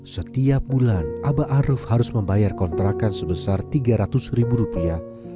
setiap bulan abah aruf harus membayar kontrakan sebesar tiga ratus ribu rupiah